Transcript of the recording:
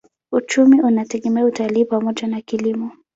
Uchumi unategemea utalii pamoja na kilimo.